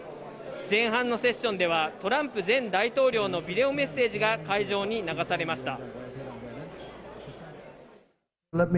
前半のセッションでは、トランプ前大統領のビデオメッセージが会場に流されました。